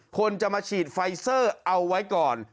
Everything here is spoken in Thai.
คนจะมาฉีดไฟเซอร์เอาไว้ก่อน